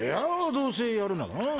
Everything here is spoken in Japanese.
どうせやるならな。